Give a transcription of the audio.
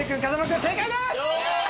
君正解です！